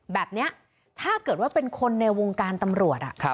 แบบนี้ถ้าเกิดว่าเป็นคนในวงการตำรวจ